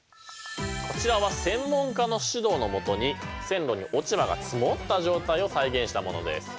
こちらは専門家の指導の下に線路に落ち葉が積もった状態を再現したものです。